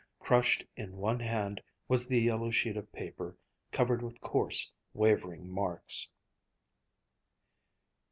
Crushed in one hand was the yellow sheet of paper covered with coarse, wavering marks.